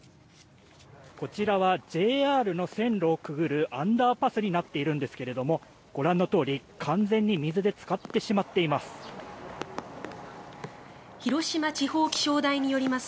こちらはＪＲの線路をくぐるアンダーパスになっているんですがご覧のとおり、完全に水でつかってしまっています。